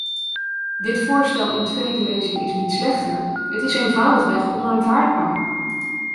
Dit voorstel in tweede lezing is niet slechter; het is eenvoudigweg onaanvaardbaar.